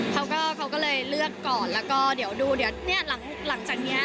เขาก็เขาก็เลยเลือกก่อนแล้วก็เดี๋ยวดูเดี๋ยวเนี่ยหลังจากเนี้ย